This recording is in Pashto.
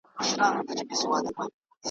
دوکان دوک دی یا کان دی